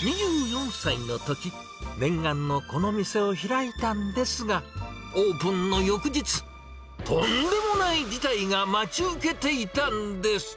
２４歳のとき、念願のこの店を開いたんですが、オープンの翌日、とんでもない事態が待ち受けていたんです。